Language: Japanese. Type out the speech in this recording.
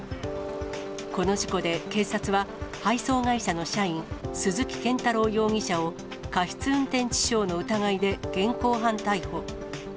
この事故で警察は、配送会社の社員、鈴木健太郎容疑者を、過失運転致傷の疑いで現行犯逮捕。